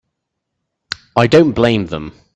I don't blame them.